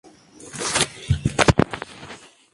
Anualmente se celebra al santo patrono Santiago Apóstol.